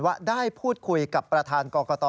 ว่าได้พูดคุยกับประธานกรกต